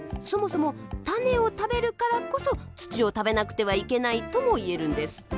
そもそも種を食べるからこそ土を食べなくてはいけないとも言えるんです。